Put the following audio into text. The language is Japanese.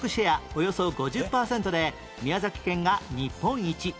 およそ５０パーセントで宮崎県が日本一